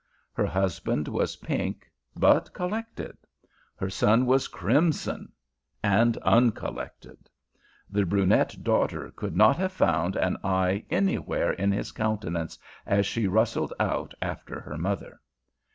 Her husband was pink but collected. Her son was crimson and uncollected. The brunette daughter could not have found an eye anywhere in his countenance as she rustled out after her mother.